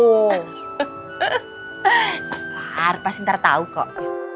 hah sabar pasti ntar tau kok